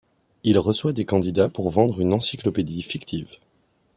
Il reçoit des candidats pour vendre une encyclopédie fictive.